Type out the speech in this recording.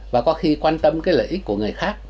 và có khi quan tâm cái lợi ích của người khác